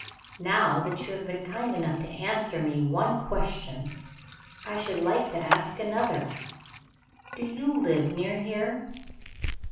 Now that you have been kind enough to answer me one question, I should like to ask another do you live near here?"